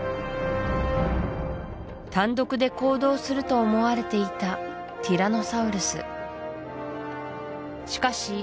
単独で行動すると思われていたティラノサウルスしかし